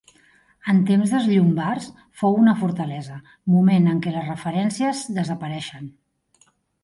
En temps dels llombards fou una fortalesa, moment en què les referències desapareixen.